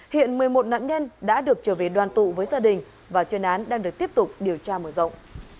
hiện một mươi một nạn nhân đã được trở về đoàn tụ với gia đình và chuyên án đang được tiếp tục điều tra mở rộng